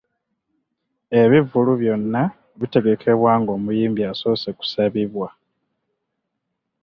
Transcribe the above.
Ebivvulu byonna bitegekebwa ng’omuyimbi asoose kusabibwa.